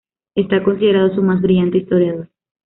Está considerado su más brillante historiador.